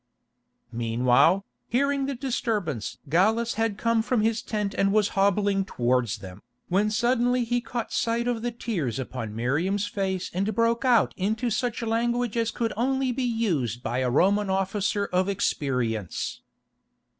Meanwhile, hearing the disturbance Gallus had come from his tent and was hobbling towards them, when suddenly he caught sight of the tears upon Miriam's face and broke out into such language as could only be used by a Roman officer of experience.